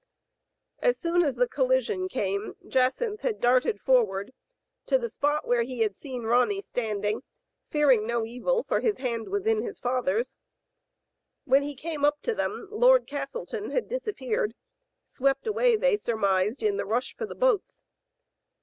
As soon as the collision came, Jacynth had darted forward to the spot where he had seen Ronny standing, fearing no evil, for his hand was in his father's. When he came up to them, Lord Castleton had disappeared — swept away, they surmised, in the rush for the boats.